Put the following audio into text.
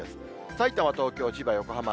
さいたま、東京、千葉、横浜。